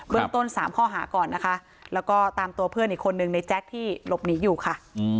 เรื่องต้น๓ข้อหาก่อนนะคะแล้วก็ตามตัวเพื่อนอีกคนนึงในแจ๊คที่หลบหนีอยู่ค่ะ